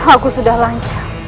aku sudah lancar